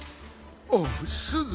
おおすず。